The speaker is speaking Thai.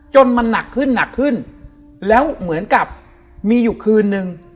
จนมันหนักขึ้นแล้วเหมือนกับมีอยู่คืนนึง